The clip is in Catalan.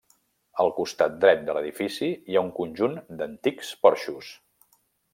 Al costat dret de l'edifici hi ha un conjunt d'antics porxos.